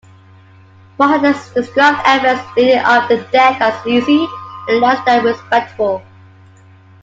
Moir had described events leading up the death as "sleazy" and "less than respectable".